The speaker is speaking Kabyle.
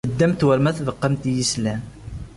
Teddamt war ma tbeqqamt-iyi sslam.